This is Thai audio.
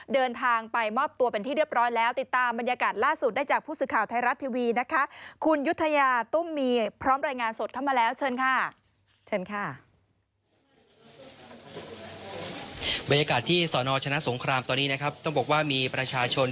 เดินทางไปมอบตัวเป็นที่เรียบร้อยแล้วติดตามบรรยากาศล่าสุดได้จากผู้สื่อข่าวไทยรัฐทีวีนะคะ